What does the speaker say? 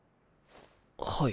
はい。